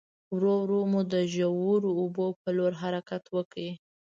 ورو ورو مو د ژورو اوبو په لور حرکت وکړ.